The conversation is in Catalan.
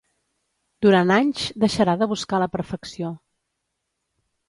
Durant anys deixarà de buscar la perfecció.